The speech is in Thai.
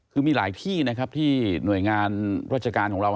คือมีหลายที่นะครับที่หน่วยงานราชการของเรา